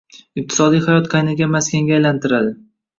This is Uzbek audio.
iqtisodiy hayot qaynagan maskanga aylantiradi.